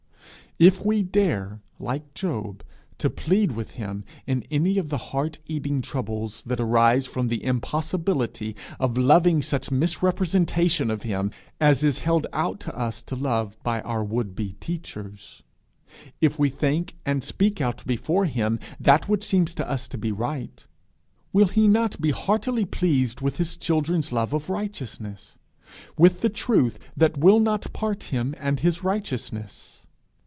If we dare, like Job, to plead with him in any of the heart eating troubles that arise from the impossibility of loving such misrepresentation of him as is held out to us to love by our would be teachers; if we think and speak out before him that which seems to us to be right, will he not be heartily pleased with his children's love of righteousness with the truth that will not part him and his righteousness?